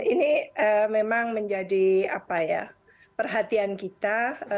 ini memang menjadi perhatian kita